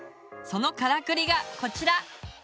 そのからくりがこちら！